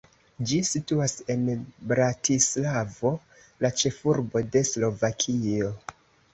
Ĝi situas en Bratislavo, la ĉefurbo de Slovakio.